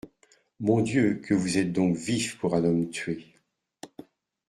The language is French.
Mon Dieu ! que vous êtes donc vif pour un homme tué.